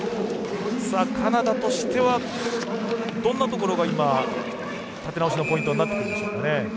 カナダとしては、どんなところが今、立て直しのポイントになってくるでしょうか。